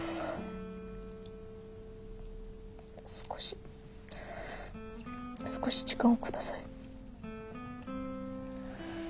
少し少し時間を下さい。